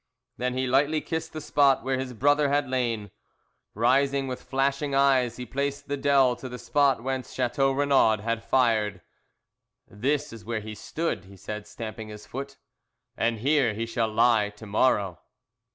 Then he lightly kissed the spot where his brother had lain. Rising with flashing eyes he paced the dell to the spot whence Chateau Renaud had fired. "This is where he stood," he said, stamping his foot, "and here he shall lie to morrow."